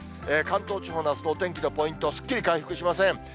関東地方のあすのお天気のポイント、すっきり回復しません。